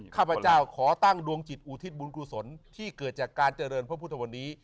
ข้าพเจ้าขอตั้งดวงจิตอุทิศบุญกุศลที่เกิดจากการเจริญพระพุทธวันนี้